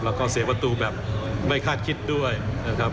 แล้วก็เสียประตูแบบไม่คาดคิดด้วยนะครับ